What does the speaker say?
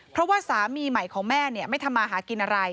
เพราะว่าสามีใหม่ของแม่ไม่ทำมาหากินอะไร